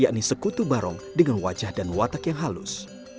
yakni sekutu barong dengan wajah dan watak yang halus